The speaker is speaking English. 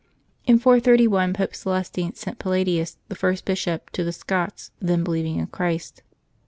In 431 Pope Celestine sent Palladius, the first bishop, to the Scots then believing in Christ.